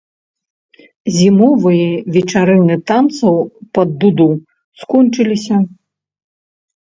Зімовыя вечарыны танцаў пад дуду скончыліся.